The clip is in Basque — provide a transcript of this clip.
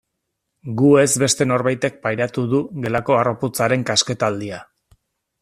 Gu ez beste norbaitek pairatu du gelako harroputzaren kasketaldia.